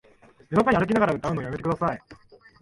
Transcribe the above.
夜中に歩きながら歌うのやめてください